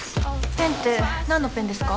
ペンって何のペンですか？